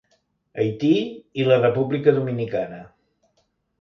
Haití i la República Dominicana.